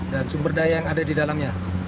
dan sumber daya yang ada di dalamnya